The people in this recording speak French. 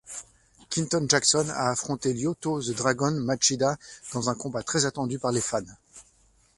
Quinton Jackson a affronté Lyoto'The Dragon'Machida, dans un combat très attendu par les fans.